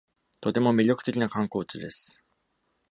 とても魅力的な観光地です。